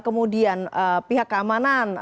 kemudian pihak keamanan